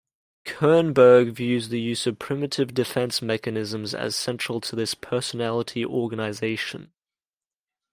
Kernberg views the use of primitive defence mechanisms as central to this personality organization.